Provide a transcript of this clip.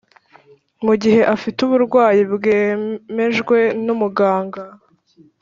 mu gihe afite uburwayi bwemejwe n umuganga